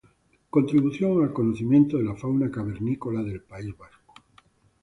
Contribución al conocimiento de la fauna cavernícola del País Vasco.